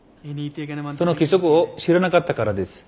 その規則を知らなかったからです。